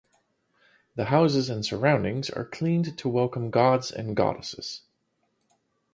The houses and surroundings are cleaned to welcome gods and goddesses.